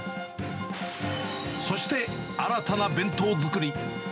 そして、新たな弁当作り。